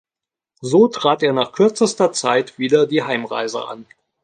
So trat er nach kürzester Zeit wieder die Heimreise an.